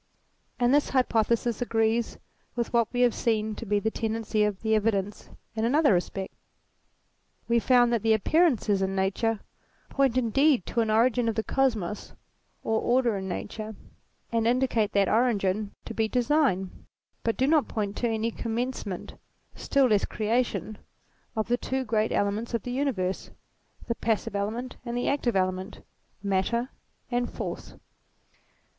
And this hypothesis agrees with what we have seen to be the tendency of the evidences in another respect. We found that the appearances in Nature point indeed 178 THEISM to an origin of the Kosmos, or order in Nature, and indicate that origin to be Design but do not point to any commencement, still less creation, of the two great elements of the Universe, the passive element and the active element, Matter and Force.